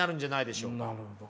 なるほど。